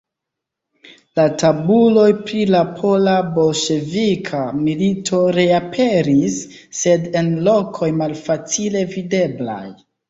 La tabuloj pri la pola-bolŝevika milito reaperis, sed en lokoj malfacile videblaj.